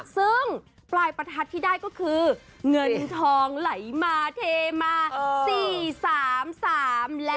ซึ่งปลายประทัดที่ได้ก็คือเงินทองไหลมาเทมา๔๓๓และ